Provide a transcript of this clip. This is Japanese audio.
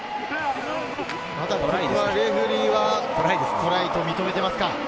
レフェリーはトライと認めています。